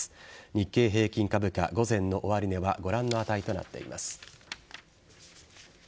日経平均株価、午前の終値はご覧の値となっています。